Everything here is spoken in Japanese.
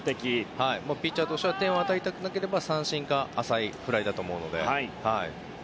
ピッチャーとしては点を与えたくなければ、三振か浅いフライだと思うので。